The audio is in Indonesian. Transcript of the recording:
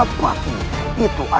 kau tak pernah mengatakan